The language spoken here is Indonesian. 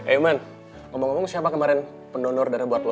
eh roman ngomong ngomong siapa kemarin pendonor darah buat lo